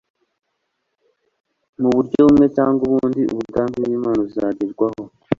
Mu buryo bumwe cyangwa ubundi, umugambi w'Imana uzagerwaho.